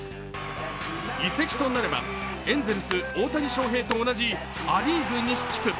移籍となればエンゼルス・大谷翔平と同じア・リーグ西地区。